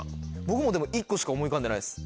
僕もでも１個しか思い浮かんでないです。